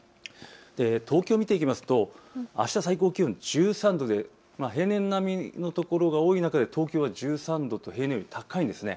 東京を見ていきますとあした最高気温、１３度で平年並みの所が多い中で東京は１３度と平年より高いです。